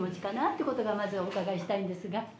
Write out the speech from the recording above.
かなってことがまずお伺いしたいんですが。